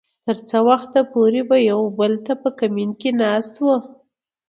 تر څه وخته پورې به يو بل ته په کمين کې ناست وو .